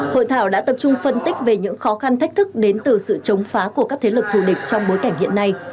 hội thảo đã tập trung phân tích về những khó khăn thách thức đến từ sự chống phá của các thế lực thù địch trong bối cảnh hiện nay